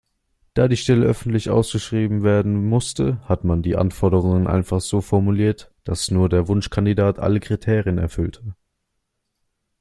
Da die Stelle öffentlich ausgeschrieben werden musste, hat man die Anforderungen einfach so formuliert, dass nur der Wunschkandidat alle Kriterien erfüllte.